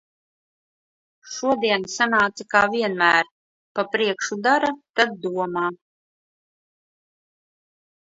Šodien sanāca kā vienmēr - pa priekšu dara, tad domā.